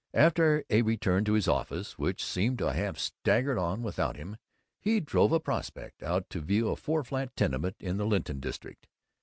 After a return to his office, which seemed to have staggered on without him, he drove a "prospect" out to view a four flat tenement in the Linton district.